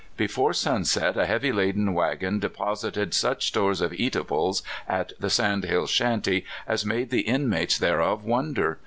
Before sunset a heavy laden wagon deposited such stores of eatables at the sand hill shanty as made the inmates thereof wonder.